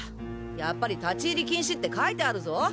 やっぱり立入禁止！って書いてあるぞ。